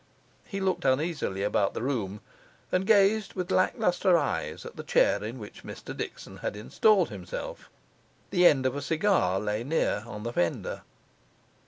He looked uneasily about the room, and gazed with lacklustre eyes at the chair in which Mr Dickson had installed himself. The end of a cigar lay near on the fender.